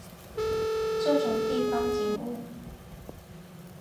这种地方景物